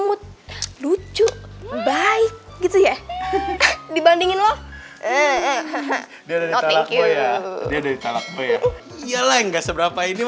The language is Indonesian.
imut lucu baik gitu ya dibandingin lo ya dia dari telak gue ya iyalah enggak seberapa ini